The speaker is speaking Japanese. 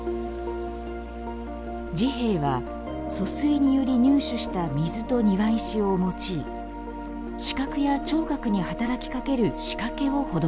治兵衛は疏水により入手した水と庭石を用い視覚や聴覚に働きかける仕掛けを施します。